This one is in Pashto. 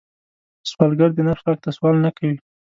سوالګر د نفس غږ ته سوال نه کوي